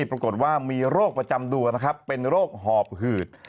ปรากฏว่ามีโรคประจำตัวนะครับเป็นโรคหอบหืด